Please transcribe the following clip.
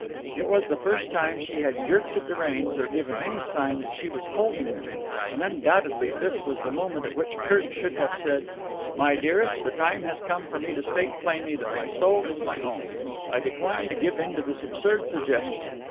It was the first time she had jerked at the reins or given any sign that she was holding them, and undoubtedly this was the moment at which Kirk should have said: "My dearest, the time has come for me to state plainly that my soul is my own. I decline to give in to this absurd suggestion.